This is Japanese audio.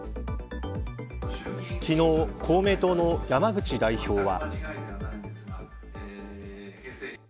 昨日、公明党の山口代表は。